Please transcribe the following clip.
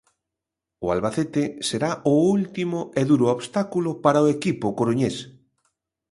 O Albacete será o último e duro obstáculo para o equipo coruñés.